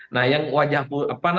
nah yang wajah apa